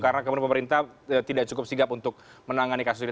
karena kebenar pemerintah tidak cukup sigap untuk menangani kasus ini